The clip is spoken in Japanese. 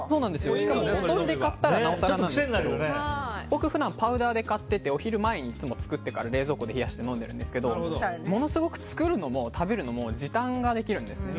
しかもボトルで買ったらなおさらなんですけど普段、僕はパウダーで買っててお昼前に作ってから冷蔵庫で冷やして飲んでるんですけどものすごく作るのも食べるのも時短ができるんです。